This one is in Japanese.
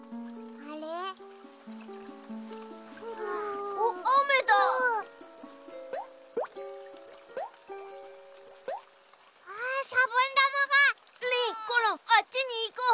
あっちにいこう。